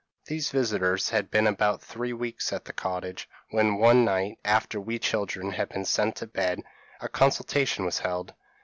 These visitors had been about three weeks at the cottage, when, one night, after we children had been sent to bed, a consultation was held.